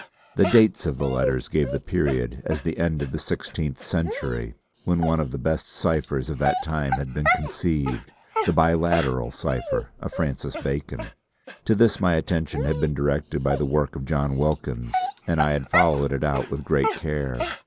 The dates of the letters gave the period as the end of the sixteenth century, when one of the best ciphers of that time had been conceived, the "Biliteral Cipher" of Francis Bacon. To this my attention had been directed by the work of John Wilkins and I had followed it out with great care.